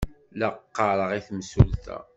La ɣɣareɣ i temsulta.